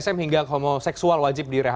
ini bdsm hingga homoseksual wajib direhabilitasi